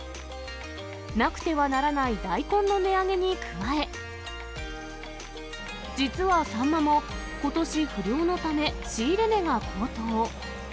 なくてはならない大根の値上げに加え、実はサンマも、ことし不漁のため、仕入れ値が高騰。